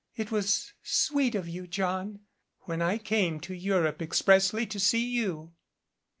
It was sweet of you, John, when I came to Europe expressly to see you!"